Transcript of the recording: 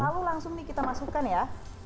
lalu langsung nih kita masukkan ya